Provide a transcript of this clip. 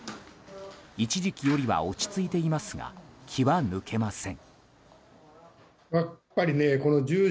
一時期よりは落ち着いていますが気は抜けません。